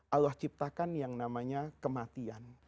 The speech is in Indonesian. allah ciptakan yang namanya kematian